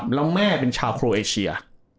แล้วแม่เป็นชาวโครเอเชีย